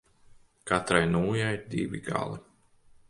Katrai nūjai divi gali.